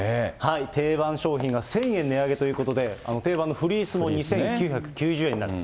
定番商品が１０００円値上げということで、定番のフリースも２９９０円になる。